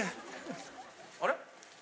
あれ？